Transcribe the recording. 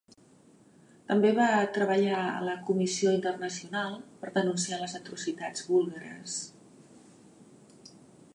També va treballar a la Comissió Internacional per denunciar les atrocitats búlgares.